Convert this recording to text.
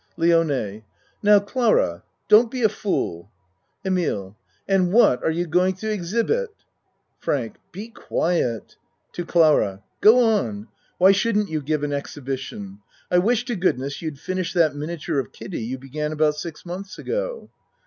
LIONE Now, Clara, don't be a fool. EMILE And what are you going to exhibit? FRANK Be quiet. (To Clara.) Go on. Why shouldn't you give an exhibition? I wish to good ness you'd finish that miniature of Kiddie you be gan about six months ago.